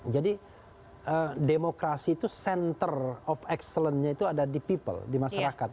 jadi demokrasi itu center of excellence nya itu ada di people di masyarakat